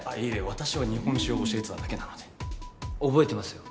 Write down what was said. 私は日本史を教えてただけなので覚えてますよ